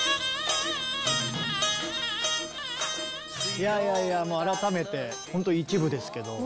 いやいやいやもう改めてほんと一部ですけど。